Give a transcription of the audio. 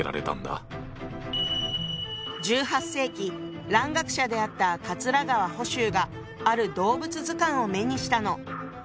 １８世紀蘭学者であった桂川甫周がある動物図鑑を目にしたの。